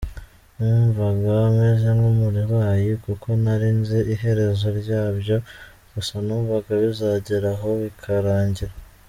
Numvaga meze nk’umurwayi kuko ntari nzi iherezo ryabyo gusa numvaga bizagera aho bikarangira.